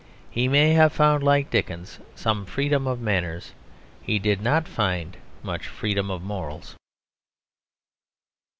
He may have found, like Dickens, some freedom of manners; he did not find much freedom of morals.